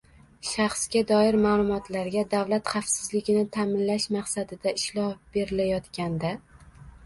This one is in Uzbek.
shaxsga doir ma’lumotlarga davlat xavfsizligini ta’minlash maqsadida ishlov berilayotganda;